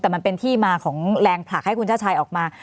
แต่มันเป็นที่มาของแรงผลักให้คุณชาติชายออกมา